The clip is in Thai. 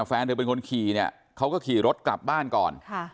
แฟนเธอเป็นคนขี่เนี่ยเขาก็ขี่รถกลับบ้านก่อน